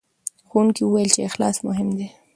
ښوونکي وویل چې اخلاص مهم دی.